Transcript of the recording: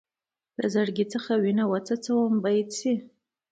له زړګي چې وینه وڅڅوم بیت شي.